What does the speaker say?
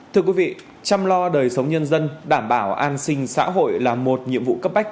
thưa quý vị chăm lo đời sống nhân dân đảm bảo an sinh xã hội là một nhiệm vụ cấp bách